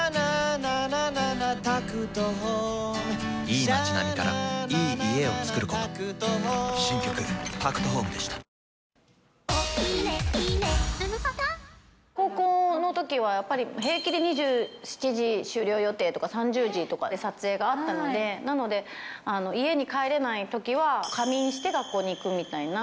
以前、高校のときは、やっぱり平気で２７時終了予定とか、３０時とかで撮影があったので、なので、家に帰れないときは、仮眠して学校に行くみたいな。